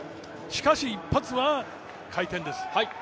しかし、一発は回転です。